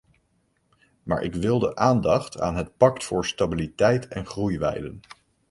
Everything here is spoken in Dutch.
Maar ik wilde aandacht aan het pact voor stabiliteit en groei wijden.